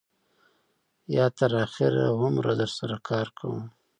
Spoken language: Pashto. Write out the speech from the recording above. یا تر آخره عمره در سره کار کوم.